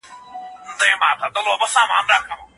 هغې اجازه لرله نو ځکه کورس ته تللی شوه.